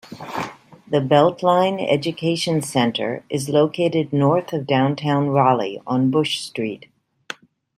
The Beltline Education Center is located north of downtown Raleigh on Bush Street.